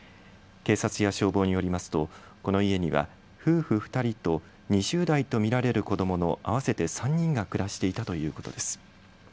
警察や消防によりますと、この家には夫婦２人と２０代と見られる子どもの合わせて３人が暮らしていたということです。